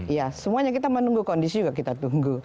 ya semuanya kita menunggu kondisi juga kita tunggu